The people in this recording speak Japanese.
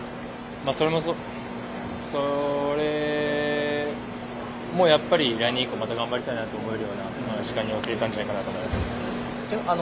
それもやっぱり来年以降、また頑張りたいなと思えるようなそういうものなのかなと思います。